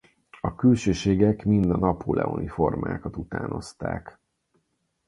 A külsőségek mind a napóleoni formákat utánozták.